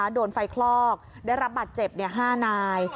โดนไฟคลอกได้รับบัตรเจ็บ๕นาย